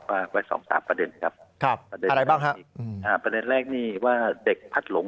ว่าไว้๒๓ประเด็นครับประเด็นแรกนี่ว่าเด็กพัดหลง